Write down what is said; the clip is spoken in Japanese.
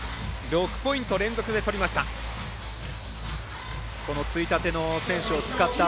６ポイント連続で取りました。